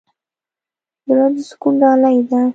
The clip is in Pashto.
زړه د سکون ډالۍ ده.